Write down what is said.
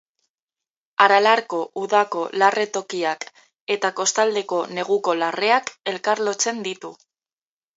Aralarko udako larre tokiak eta kostaldeko neguko larreak elkarlotzen ditu.